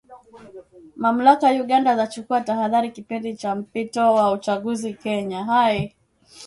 Mamlaka Uganda zachukua tahadhari kipindi cha mpito wa uchaguzi Kenya